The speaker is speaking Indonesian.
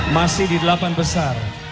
masih di delapan besar